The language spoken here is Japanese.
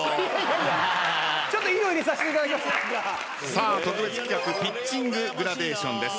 さあ特別企画ピッチンググラデーションです。